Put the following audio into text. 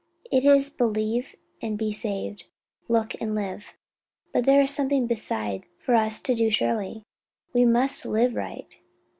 It is believe and be saved; look and live." "But there is something beside for us to do surely? we must live right."